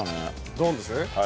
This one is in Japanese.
ドーンですね。